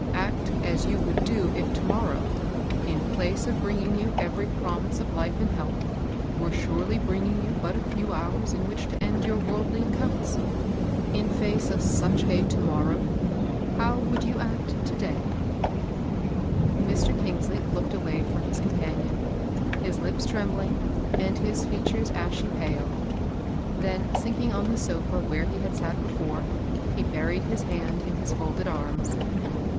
Act as you would do if to morrow, in place of bringing you every prom ise of life and health, were surely bringing you but a few hours in which to end your worldly accounts. In face of such a Uhmorraw^ how would you act to day f^^ Mr. Eingsley looked away from his compan ion, his lips trembling, and his features ashy pale; then sinking on the sofa where he had before sat, he buried his head in his folded arms.